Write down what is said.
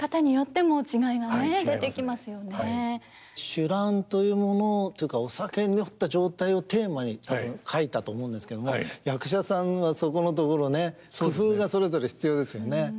酒乱というものをというかお酒に酔った状態をテーマに書いたと思うんですけども役者さんはそこのところね工夫がそれぞれ必要ですよね。